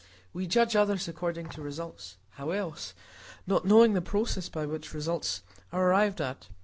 We judge others according to results; how else?—not knowing the process by which results are arrived at.